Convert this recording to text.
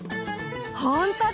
ほんとだ！